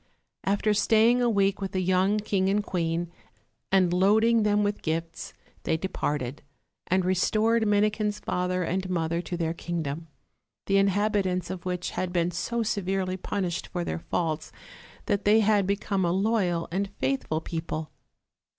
After staying a week with the young king and cjuaeu, and loading them with gifts, they OLD, OLD FAIR7 TALES. 31Q departed, and restored Minikin's father and mother to their kingdom: the inhabitants of which had been so severely punished for their faults that they had become a loyal and faithful people.